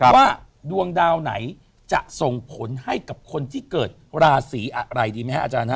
ว่าดวงดาวไหนจะส่งผลให้กับคนที่เกิดราศีอะไรดีไหมฮะอาจารย์